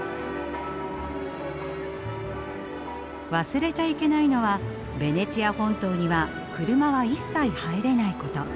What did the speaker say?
忘れちゃいけないのはベネチア本島には車は一切入れないこと。